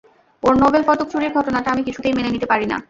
ওঁর নোবেল পদক চুরির ঘটনাটা আমি কিছুতেই মেনে নিতে পারি না।